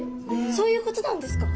そういうことなんですか？